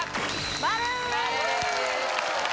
丸！